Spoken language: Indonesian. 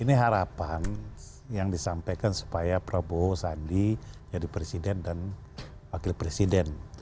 ini harapan yang disampaikan supaya prabowo sandi jadi presiden dan wakil presiden